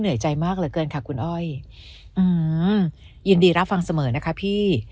เหนื่อยใจมากแล้วเกินค่ะคุณอ้อยยินดีรับฟังเสมอนะคะพี่